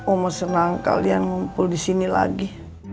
omo senang kalian ngumpul di sini lagi